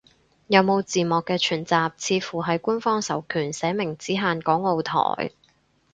有冇字幕嘅全集，似乎係官方授權，寫明只限港澳台